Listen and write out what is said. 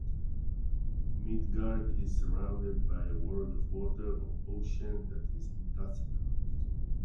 Midgard is surrounded by a world of water, or ocean, that is impassable.